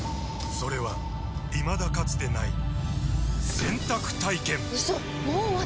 それはいまだかつてない洗濯体験‼うそっ！